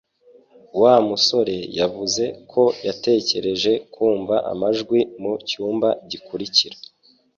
Wa musore yavuze ko yatekereje kumva amajwi mu cyumba gikurikira